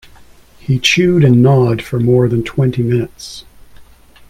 He chewed and gnawed for more than twenty minutes.